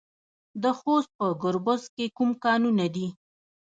د خوست په ګربز کې کوم کانونه دي؟